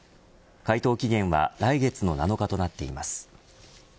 回答期限は来月の７日となっています。